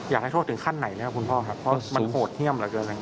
อยากให้โทษถึงขั้นไหนอ่ะคุณพ่อมันโหดเฮี่ยมหรืออะไร